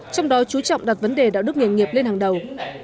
trong đó chú trọng đặt vấn đề đạo đức nghề nghiệp lên hàng đầu